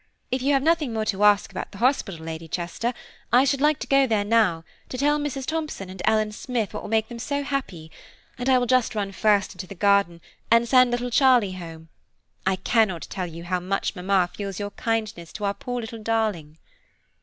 If you have nothing more to ask about the hospital, Lady Chester, I should like to go there now, to tell Mrs. Thomson and Ellen Smith what will make them so happy; and I will just run first into the garden, and send little Charlie home: I cannot tell you how much mamma feels your kindness to our poor little darling."